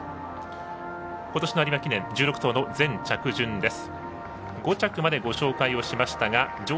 今年の有馬記念１６頭の全着順です。